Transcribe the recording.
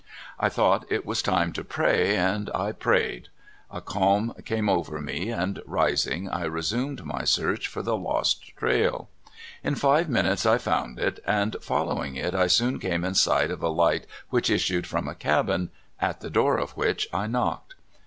I thought it was time to pray, and I prayed. A calm came over me, and, rising, I resumed my search for the lost trail. In five minutes I found it, and following it I soon came in sight of a light which issued from a cabin, at the door of which I knocked.